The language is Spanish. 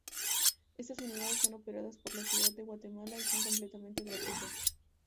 Estas Unidades son operadas por la Ciudad de Guatemala y son completamente gratuitas.